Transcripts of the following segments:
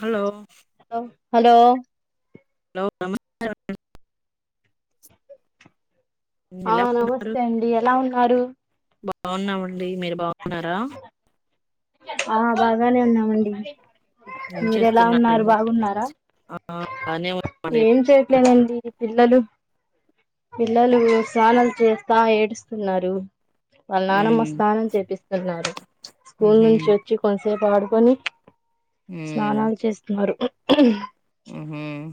Hello hello hello నమస్తే అండి ఆ నమస్తే అండి ఎలా ఉన్నారు బాగున్నామండి మీరు బాగున్నారా ఆ బాగానే ఉన్నామండి ఏం మీరెలా ఉన్నారు చేస్తున్నారండి బాగున్నారా ఆ బానే ఉన్నామండి ఏం చేయట్లేదండీ పిల్లలు పిల్లలూ స్నానలు చేస్తా ఏడుస్తున్నారు వాల్ నానమ్మ ఉమ్ స్నానం చేపిస్తున్నారు స్కూల్ ఉహు నుంచి వచ్చి కొంతసేపు ఆడుకొని స్నానాలు చేస్తున్నరు హ్మ్ హ్మ్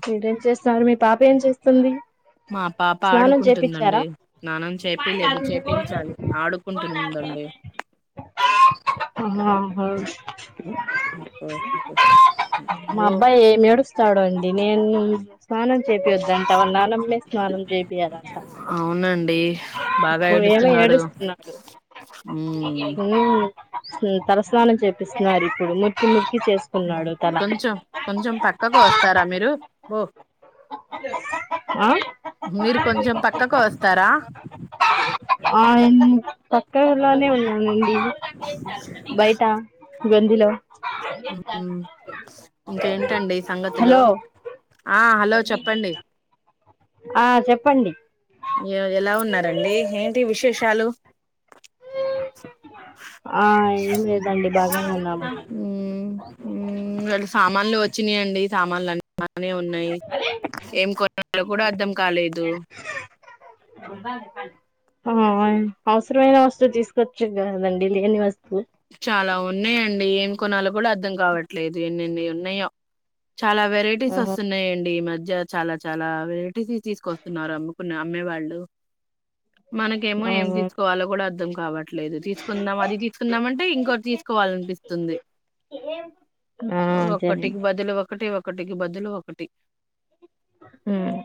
సార్ మీ పాప ఏం చేస్తుంది మా పాప్ స్నానం పాడుకుంటుందండి చేపిచ్చారా స్నానం చేపిలే చేపించాలి ఆడుకుంటుందండి మ [unintelligible] మా బో అబ్బాయి ఏం ఏడుస్తాడొ నేను స్నానం చేపియొద్దంట వాల్ ననమ్మె స్నానం చేయ [inaudible] అవునండి బాగా ఏడుస్తున్నాడు ఏడుస్తున్నాడు ఉమ్ [inaudible] స్నానం చేపిస్తున్నారు ఇప్పుడు ముక్కి ముక్కి చేసుకున్నాడు తల ఉ ఓ ఆ మీరు కొంచెం పక్కకు వస్తారా ఇక్కలోనే ఉన్నానండి బయట గందిలో ఉమ్ ఇంకేంటండి సంగతులు హలో ఆ హలో చెప్పండి ఆ చెప్పండి ఎలా ఉన్నారండి ఏంటి విశేషాలు ఆ ఏం లేదండి బాగా ఉన్నాము వాళ సామాన్లు వచ్చినాయండి సామాన్లు అన్న బానే ఉన్నాయి ఏం కొన్నాలో కూడా అర్థం కాలేదు [unintelligible] ఆ అవసరమైన వస్తువు తీసుకొచ్చ కదండి లేని వస్తువు చాలా ఉన్నాయండి ఏం కొనాలో కూడా అర్ధం కావట్లేదు ఎన్ని ఎన్ని ఉన్నాయో చాలా వెరైటీస్ ఆహా వస్తున్నాయండి ఈ మధ్య చాలా చాలా వెరైటీస్ తీసుకొస్తున్నారు అమ్ముకున్న అమ్మే వాళ్ళు మనకేమో ఆ ఏం తీసుకోవాలో కూడా అర్థం కావట్లేదు తీసుకుందాం అది తీసుకు కుందామంటే ఇంకోటి తీసుకోవాలనిపిస్తుంది ఆ అదేనండి ఒకటికి బదులు ఒక టి ఒకటికి బదులు ఒకటి ఉమ్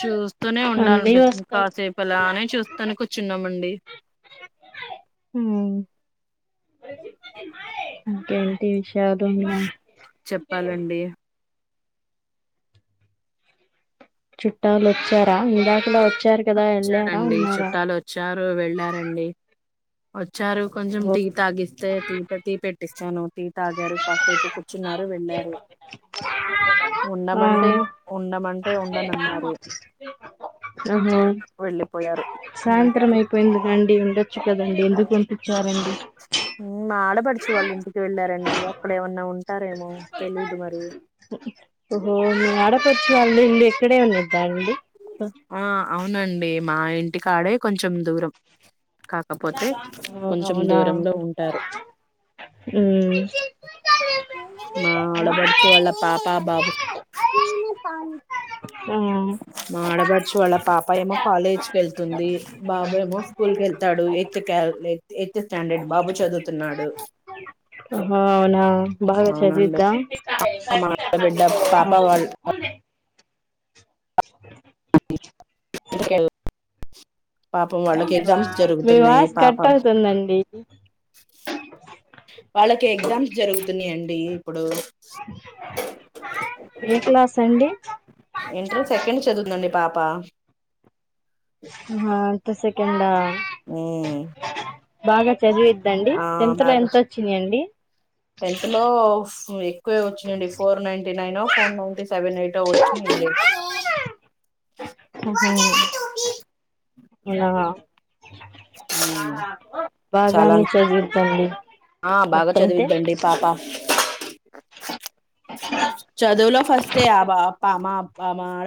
చూస్తూనే అన్నీ ఉండాలనిపిస్తుంది వస్తాయి కాసేపు అలానే చూస్తూనే కూర్చున్నామండి ఉమ్ ఉమ్ చేశారు మీ చెప్పాలండి చుట్టాలు వచ్చార ఇంద [unintelligible] వచ్చారండి చుట్టాలు వచ్చారు వెళ్ళారండి వ చ్చారు కొంచెం టీ తాగిస్తే త తీట టీ పెట్టిస్తాను టి తాగారు కాసేపు కూర్చున్నారు వెళ్ళారు ఆ ఉండమంటే ఉండమంటే ఉండనన్నారు ఓహో వెళ్ళిపోయారు సాయంత్రం ఉంటారు అయిపోయింది మండి ఉండొచ్చు కదా అండి ఎందుకు పంపించారండి ఉమ్ మా ఆడపడుచు వాళ్ళ ఇంటికి వెళ్ళారండి అక్కడ ఏమన్నా ఉంటారేమో తెలీదు మరి ఓహో మీ ఆడపడుచు వాళ్ళ ఇల్లు ఇండి ఇక్కడే ఉండిద్దా అండి ఆ అవునండి మా ఇంటికాడే కొంచెం దూరం కాకపోతే కొంచెం అవునా దూరంలో ఉంటారు మ్మ్ మా ఆడపడుచు వాళ్ళ పాప బాబు ఆ మా ఆడబడుచు వాళ్ళ పాప ఏమో కాలేజ్ కి వెళ్తుంది బాబు ఏమో స్కూల్ కి వెళ్తాడు ఎయిత్ కాల్ ఎయిత్ స్టాండర్డ్ బాబు చదువుతున్నాడు ఆ బాగా అవునండి చదవిద్దా మా ఆడబిడ్డ పాప వాళ్ళ ఉమ్ [unintelligible] పాపం వాళ్ళకి ఎగ్జామ్స్ మీ జరుగుతున్నాయి వాయిస్ పాప కట్ అవుతుందండి వాళ్ళకి ఎగ్జామ్స్ జరుగుతున్నాయండి ఇప్పుడు ఏ క్లాస్ అండి ఇంటర్ సెకండ్ చదువుతుందండి పాప హా ఇంటర్ సెకండ్ ఆ ఉమ్ బాగా చదివిద్ద అండి ఆ టెన్త్ లో బాగా ఎంత వచ్చినాయండి టెన్త్ లో ఉ ఎ క్కువే వచ్చిందండి ఫోర్ నైన్ టి నైన్ ఓ four ninety seven eight ఓ వచ్చినాయండి ఉహూ ఊ నా చాలా బాగానే చదువుతుంది ఆ బాగా చదివిద్దండి పాప చదువులో ఫస్టే ఆ బా పా మా మా ఆడ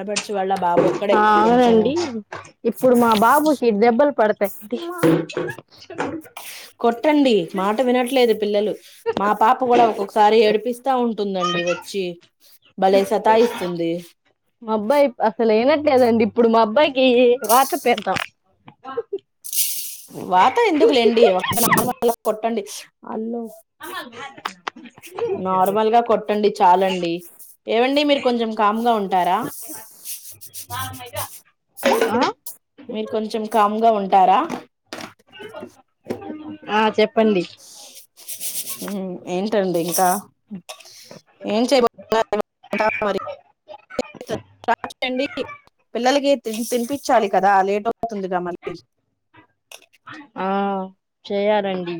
ఆ అవునండి ఇప్పుడు మా బాబుకి దెబ్బలు పడుతా వ్యక్తి [inaudible] కొట్టండీ మాట వినట్లేదు పిల్లలు మా పాప కూడా ఒక్కొక్కసారి ఏడిపిస్తా ఉంటుందండి వచ్చి భలే సతాయిస్తుంది మా అబ్బాయి అసలు ఇనట్లే దండి ఇప్పుడు మా అబ్బాయికి వాత పెడతం వాత ఎందుకులేండి నార్మల్ గా కొట్టండి నార్మల్గా కొట్టండి చాలండి ఏవండీ మీరు కొంచెం కామ్గా ఉంటారా మామయ్య మీరు కొంచెం కామ్గా ఉంటారా ఆ చెప్పండి ఉ ఏంటండీ ఇంకా ఏం చేయబోతున్నారు వంట మరి కాదండీ పిల్లలకి తినిపించాలి కదా లేటు అవుతుందిగా మళ్ళీ ఆ చేయాలండి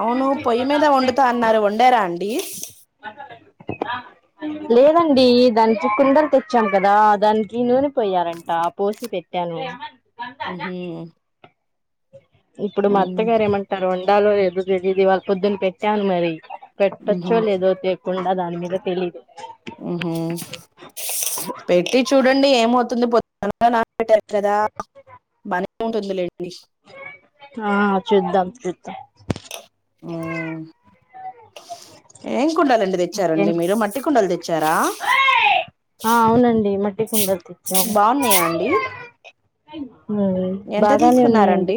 అవును పొయ్యి మీద వండుతా అన్నారు వండరా అండి మాసాలాలు లేదండీ దానికి కుందన్ తెచ్చాం కదా దానికి నూనె పోయారంటా పోసి పెట్టాను ఉహూ ఇప్పుడు మా అత్తగారు ఏమంటారో వండాలో లేదో తెలీదు ఇవాళ పొద్దున పెట్టాను మరి ఉహు పెట్టొచ్చో లేదో తేకుండా దాని మీద తెలిదు ఉహు పెట్టి చూడండి ఏమవుతుంది పొద్దున అనగా నాన బెట్టారు గదా బానే ఉంటుందిలేండి ఆ చూద్దం చూద్దం ఉమ్ ఏం కుండ లండి తెచ్చారండి ఇంకేంటి మీరు మట్టి కుండలు తెచ్చారా ఆ అవునండి మట్టి కుండలు తెచ్చాము బాగున్నాయా అండి మ్ ఎంత బాగానే ఉన్నాయండి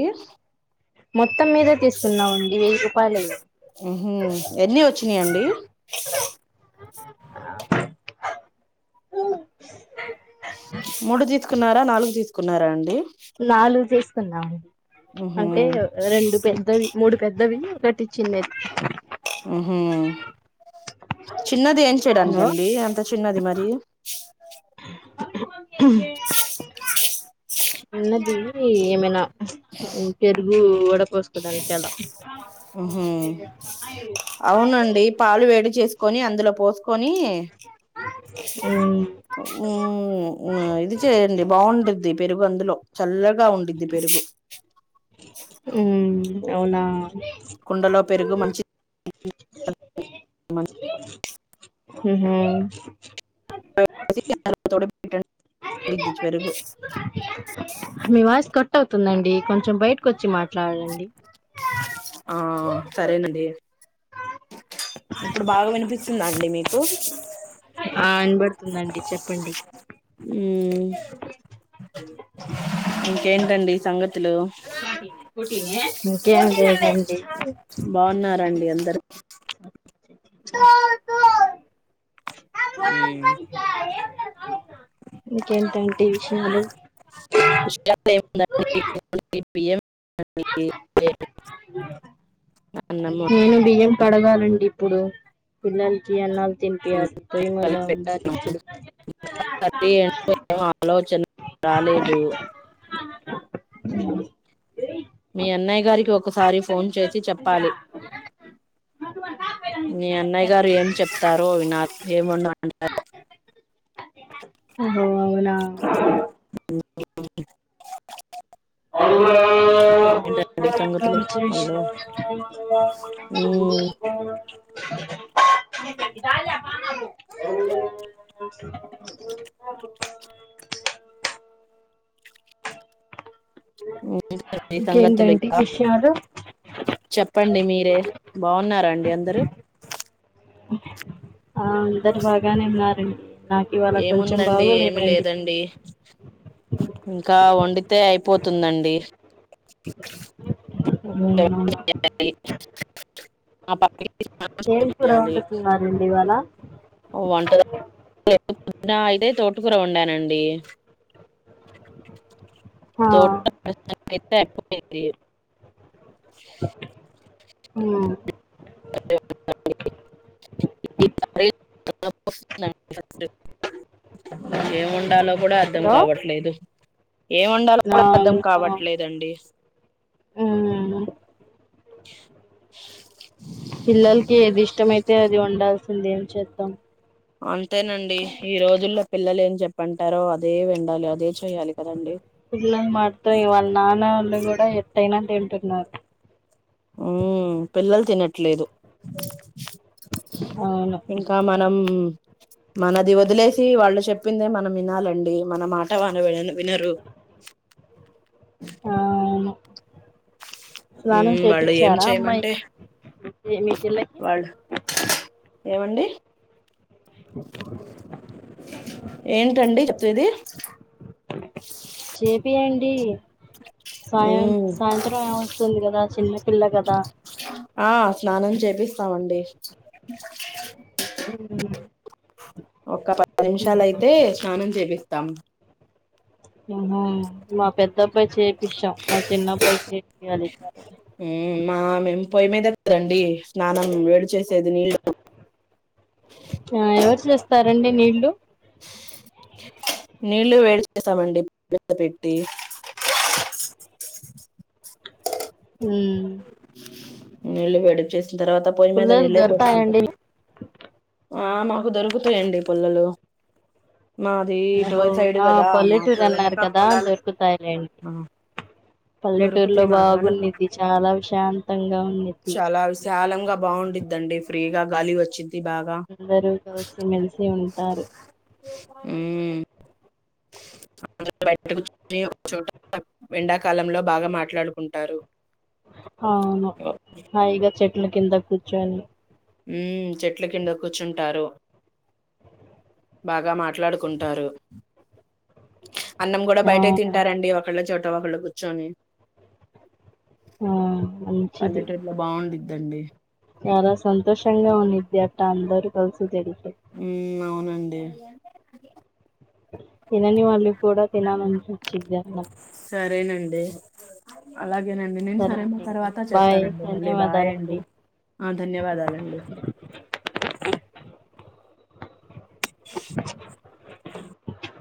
మొత్తం మీదే తీసుకున్నామండి వెయ్యి రూపాయలు ఉహూ ఎన్ని వచ్చినయండీ [inaudible] అ ఊ కున్నారా నాలుగు తీసుకున్నారా అండి నాలుగు తీసుకున్నామండి ఉహు అంటే రెండు పెద్దవి మూడు పెద్దవి కటి చిన్నది ఊహు చిన్నది ఏం లో చేయడానికండీ అంత చిన్నది మరి [inaudible] చ్ స్ చిన్నదీ ఏమైనా పెరుగు వడపోసుకోడాని కలా ఉహూ అవునండీ పాలు వేడి చేసుకొని అందులో పోస్ కొనీ మ్మ్ ఊ ఇది చేయండి బావుంటుద్ది పెరుగు అందులో చల్లగా ఉండిద్ది పెరుగు ఊ అవునా కుండలో పెరుగు మంచి మన ఉహూ [inaudible] పెరుగు మీ వాయిస్ కట్ అవుతుందండి కొంచెం బయటకు వచ్చి మాట్ ట్లాడండి ఆ సరేనండి ఇప్పుడు బాగా వినిపిస్తుందా అండి మీకు ఆ ఇనబడుతుందండి చెప్పండి ఊ మ్ ఇంకేంటండి సంగతులు ఇంకేం లేదండి బాగున్నారండి అందరు [unintelligible] ఉమ్ ఇంకేంటండి విషయాలు [unintelligible] [unintelligible] అన్నము నేను బియ్యం కడగాలండి ఇప్పుడు పిల్లలకి అన్నాల్ తినిపియాలి ప్రేమగా ఉండాలి కలిపెట్టాను ఇప్పుడు సరే ఏంటో ఏం ఆలోచన రాలేదు [unintelligible] మీ అన్నయ్య గారికి ఒకసారి ఫోన్ చేసి చెప్పాలి మొకంమంత మీ అన్నయ్య గారు ఏం చెప్తారో వినాలి ఏముండ అంటారు ఓ అవునా [unintelligible] అల్లా ఏంటండి సంగతులు అల్లో ఉమ్, [unintelligible] [unintelligible] [unintelligible] [inaudible] ఏంటండి సంగతులు ఇంకేంటంటే ఇంకా విషయాలు చెప్ చెప్పండి మీరే బాగున్నారాండి అందరూ ఆ అందరు బాగానే ఉన్నారండి నాకు ఈ వాళ కొంచెం ఏముందండి ఏమి బాగలేదండి లేదండి ఇంకా వండితే అయిపోతుందండి అవున మా పక్కింటి ఏం కూర వండుతున్నరండి ఈ వాళ వంట పొద్న అయితే తోటు కూర వండానండి ఆ తోట [unintelligible] [inaudible] ఉమ్ వస్తుందం ఫట్ ఏమి వండాలో కూడా అర్థం హలో కావట్లేదు ఏం వండాలో కూడా అర్ధం అవును కావట్లేదండి ఉమ్ [inaudible] పిల్లలకి ఏది ఇష్టమఅయితే అది ఉండాల్సిందే ఎంద్దాం అంతేనండి ఈ రోజుల్లో పిల్లలు ఏం చెప్పంటారో అదే విండాలి అదే చేయాలి కదండి పిల్ల మటతో ఇ వాళ్ళ నానోల్లు వాళ్ళ కూడా ఎత్తైనా తింటున్నారు ఉ పిల్లలు తినట్లేదు అవును నమ్ మనది వదిలేసి వాళ్ళు చెప్పిందే మనం వినాలండి మన మాట వాళ్లు విన వినరు [inaudible] ఆ అవును స్నానం ఉమ్, వాళ్ళు ఏం చేపించారా చేయమంటే అమ్మాయికి మీ మీ పిల్లకి వాళ్ళు ఏమండి [inaudible] ఏంటండి చెప్పేది చేపియండి సాయం ఉమ్, సాయంత్రం ఏం వస్తుంది కదా చిన్నపిల్ల కదా ఆ స్నానం చేపిస్తామండి ఉఉ ఒక్క పది నిమిషాలయితే స్నానం చేపిస్తాం ఉమ్ మా పెద్ద అబ్బాయి చేపించాం మా చిన్నబ్బాయికి చెపియాలీ ఉమ్ మా మేమ్ పొయ్య మీద కదండి స్నానం వేడి చేసేది నీళ్ళు ఆ ఎవరు చేస్తారండి నీళ్లు నీళ్లు వేడి చేసామండి [inaudible] పెట్టి [unintelligible] ఉమ్ నీళ్లు వేడి చేసిన తర్వాత పొయి మీద పుల్లలు నీళ్ళే పోతుంట దొరుకుతాయండి ఆ మాకు దొరుకుతాయండి పుల్లలు మాది రోడ్ సైడ్ ఆ కదా మాకు పల్లెటూరు వెనక అన్నారు కదా పొలాలు దొరుకుతాయిలేండి పల్లెటూరులో దొరుకుతాయి మాగాన బాగుండిద్ది చాలా ప్రశాంతంగా ఉండిద్ది చాలా విశాలంగా బాగుండి ద్దండి ఫ్రీగ గాలి వచ్చి అందరూ కలిసిమెలిసి ఉంటారు. ఉమ్ బయట ఒకచోట కూర్చుని ఎండాకాలంలో బాగా మాట్లాడుకుంటారు అవును హాయిగా చెట్ల కింద కూర్చోనీ ఉమ్ చెట్ల కింద కూర్చుంటారు బాగా మాట్లాడుకుంటారు. అన్నం కూడా బయటే ఆ తింటారండి ఒకళ్ళ చోట ఒకళ్ళు కూర్చొని ఆ మంచిది పల్లెటూరిలో బాగుండిద్దండి చాలా సంతోషంగా ఉంది అట్ట అందరూ కలిసీ తింటే ఉమ్ అవునండి. తినని వాళ్ళు కూడా తినాలనిపించిద్ది అన్నం సరేనండి నేను సరే సరైన అండి ఇంకా తర్వాత బాయ్ చేస్తానండి మళ్ళీ బాయ్ అండి ధన్యవాదాలండి ఆ ధన్యవాదాలండి. కు [unintelligible]